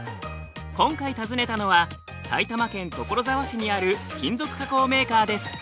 今回訪ねたのは埼玉県所沢市にある金属加工メーカーです。